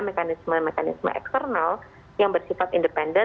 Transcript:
mekanisme mekanisme eksternal yang bersifat independen